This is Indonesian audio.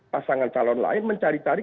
pasangan calon lain mencari cari